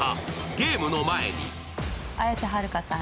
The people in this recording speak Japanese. ゲームの前に綾瀬はるかさん